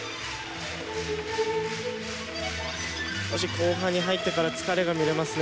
少し後半に入ってから疲れが見えますね。